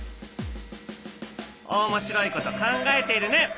おもしろいこと考えているね。